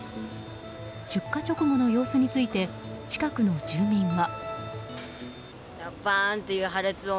出火直後の様子について近くの住民は。